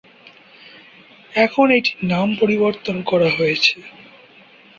এখন এটির নাম পরিবর্তন করা হয়েছে।